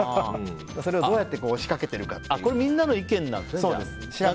それをどうやってこれ、みんなの意見なんですね。